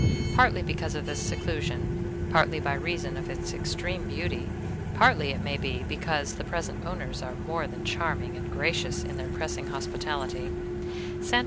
Partly because of this seclusion, partly by reason of its extreme beauty, partly, it may be, because the present owners are more than charming and gracious in their pressing hospitality, Sta.